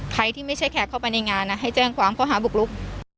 ใครที่ไม่ใช่แขกเข้าไปในงานให้แจ้งความเขาหาบุกลุก